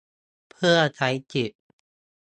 เพื่อใช้สิทธิ